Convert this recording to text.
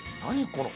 この。